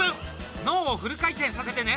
脳をフル回転させてね。